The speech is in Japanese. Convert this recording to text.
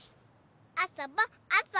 あそぼあそぼ！